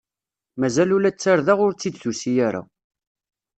Mazal ula d tarda ur tt-id-tusi ara.